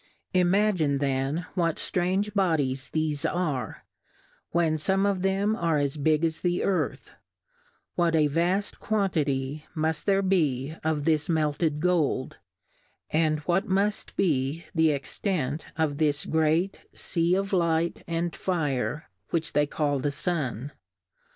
Imagine then what ftrange Bodies thefe are, when fome of them are as big as the Earth : What a vaft quantity muft there be of this melted Gold, and what muft be the Extent of this great Sea of Light and Fire which they call the Sun